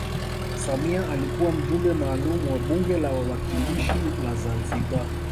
samia alikuwa mjumbe maalum wa bunge la wawakilishi la zanzibar